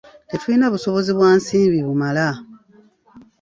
Tetulina busobozi bwa nsimbi bumala.